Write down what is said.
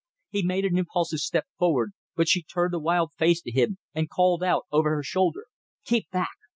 He made an impulsive step forward, but she turned a wild face to him and called out over her shoulder "Keep back!